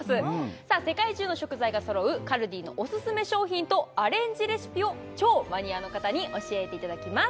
さあ世界中の食材が揃うカルディのオススメ商品とアレンジレシピを超マニアの方に教えていただきます